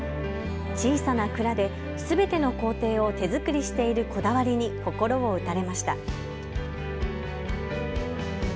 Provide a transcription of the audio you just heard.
小さな蔵ですべての工程を手作りしているこだわりに心を打たれました。